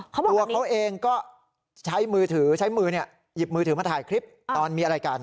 ตัวเขาเองก็ใช้มือถือใช้มือหยิบมือถือมาถ่ายคลิปตอนมีอะไรกัน